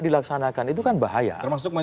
dilaksanakan itu kan bahaya termasuk